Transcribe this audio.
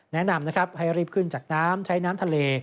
แนะนำนะครับให้รีบขึ้นจากน้ำใช้น้ำทะเล